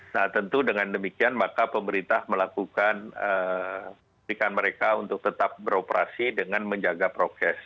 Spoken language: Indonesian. nah tentu dengan demikian maka pemerintah melakukan berikan mereka untuk tetap beroperasi dengan menjaga prokes